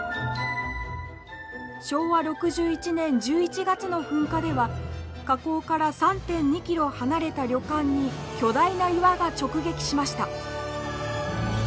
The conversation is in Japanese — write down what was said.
昭和６１年１１月の噴火では火口から３．２キロ離れた旅館に巨大な岩が直撃しました。